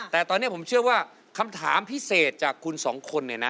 แต่ตอนนี้ผมเชื่อว่าคำถามพิเศษจากคุณสองคนเนี่ยนะ